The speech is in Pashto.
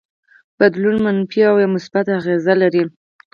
بدلون يې منفي او يا مثبت اغېز لري.